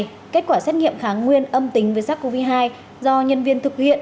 theo bộ y tế kết quả xét nghiệm kháng nguyên âm tính về sắc covid một mươi chín do nhân viên thực hiện